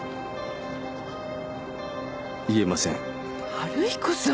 春彦さん。